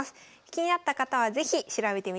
気になった方は是非調べてみてください。